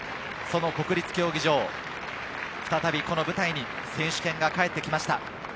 その国立競技場、再びこの舞台に選手権が帰ってきました。